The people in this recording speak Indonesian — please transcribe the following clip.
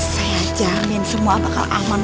saya jamin semua bakal aman